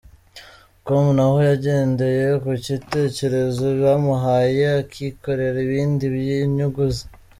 com naho yagendeye ku gitekerezo bamuhaye akikorera ibindi by’inyungu ze.